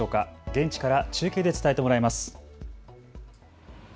現地から中継で伝えてもらいます。